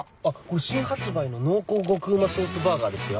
新発売の濃厚極旨ソースバーガーですよ。